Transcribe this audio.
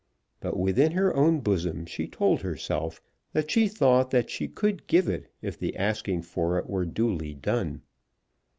But within her own bosom she told herself that she thought that she could give it, if the asking for it were duly done.